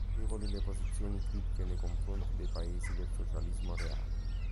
Notevoli le posizioni critiche nei confronti dei paesi del Socialismo reale.